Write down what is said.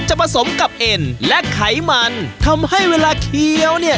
ผสมกับเอ็นและไขมันทำให้เวลาเคี้ยวเนี่ย